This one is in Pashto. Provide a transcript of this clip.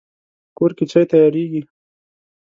په کور کې چای تیاریږي